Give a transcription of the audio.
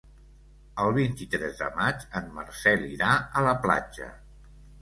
El vint-i-tres de maig en Marcel irà a la platja.